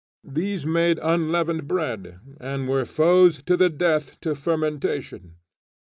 These made unleavened bread, and were foes to the death to fermentation.